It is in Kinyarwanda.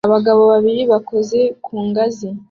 Abagabo babiri bakora ku ngazi